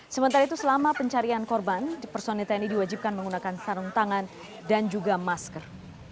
sementara itu selama pencarian korban personil tni diwajibkan menggunakan sarung tangan dan juga masker